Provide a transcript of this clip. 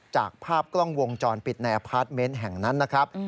จากภาพกล้องวงจรปิดในอพาร์ทเมนต์แห่งนั้นนะครับ